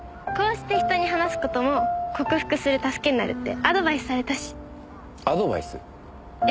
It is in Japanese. こうして人に話す事も克服する助けになるってアドバイスされたし。